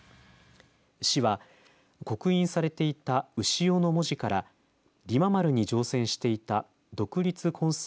市は刻印されていた潮の文字からりま丸に乗船していた独立混成